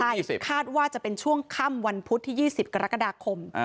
ใช่คาดว่าจะเป็นช่วงค่ำวันพุธที่๒๐กรกฎาคม